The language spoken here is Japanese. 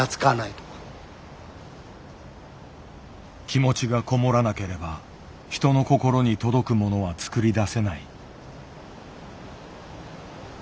気持ちが籠もらなければ人の心に届くものは作り出せない。